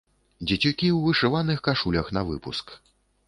Дзецюкі ў вышываных кашулях навыпуск.